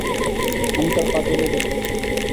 আমি তাঁর পা জড়িয়ে ধরব।